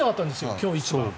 今日が一番。